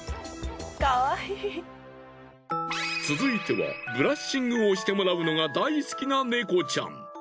続いてはブラッシングをしてもらうのが大好きなネコちゃん。